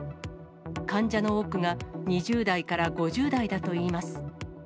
患者の多くが２０代から５０代だといいます。